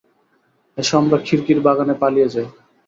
S আমরা খিড়িকির বাগানে পালিয়ে যাই।